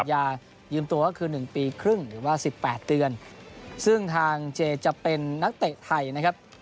ยายืมตัวก็คือ๑ปีครึ่งหรือว่าสิบแปดเดือนซึ่งทางเจจะเป็นนักเตะไทยนะครับ